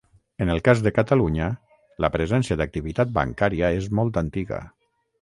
En el cas de Catalunya, la presència d'activitat bancària és molt antiga.